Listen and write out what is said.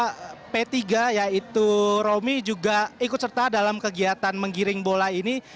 dan ketiga yaitu romi juga ikut serta dalam kegiatan menggiring bola ini